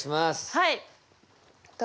はい。